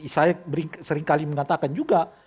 saya seringkali mengatakan juga